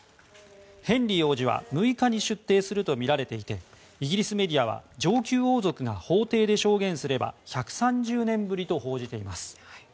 ヘンリー王子は６日に出廷するとみられていてイギリスメディアは上級王族が法廷で証言すれば１３０年ぶりと報じています。